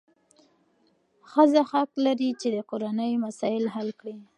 ښځه حق لري چې د کورنۍ مسایل حل کړي.